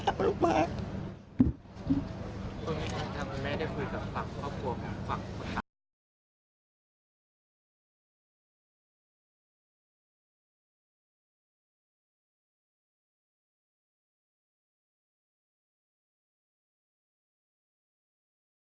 โปรดติดตามต่อไป